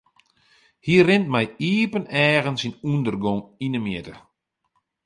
Hy rint mei iepen eagen syn ûndergong yn 'e mjitte.